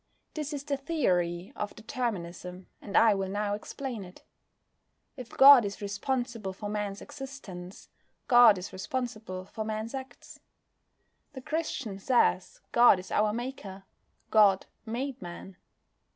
This is the theory of Determinism, and I will now explain it. If God is responsible for Man's existence, God is responsible for Man's acts. The Christian says God is our Maker. God made Man.